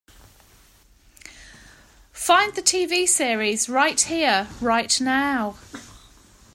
Find the TV series Right here right now